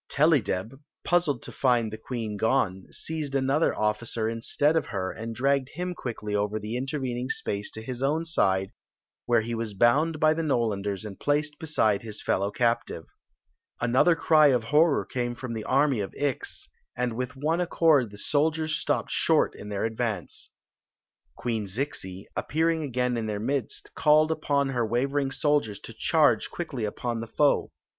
Tellydeb, puzzled to find the queen gone, seized another officer instead of her and dn^;ged htm quickly over the intervening space to his own side, where he was bound by the N ©landers and placed beside his fellow captive. Another cry of horror came from the army of Ix, and with one accord the soldiars !^|:^)ed short in their advance. Queen Zixi, appearing again in their midst, called upon her wavering soldiers to charge quickly upon the foe.